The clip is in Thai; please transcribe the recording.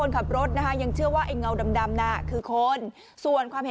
นี่นี่นี่นี่นี่นี่นี่นี่นี่